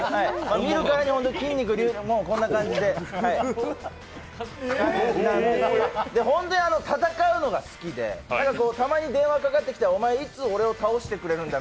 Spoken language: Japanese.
見るからにこんな感じで、本当に戦うのが好きで、たまに電話かかってきたらお前いつ俺を倒してくれるんだ？